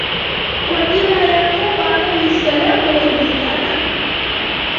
kwa jina Ya quub Alayhis Salaam aliyejulikana